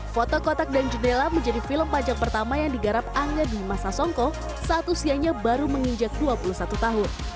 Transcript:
foto kotak dan jendela menjadi film pajak pertama yang digarap angga di masa songko saat usianya baru menginjak dua puluh satu tahun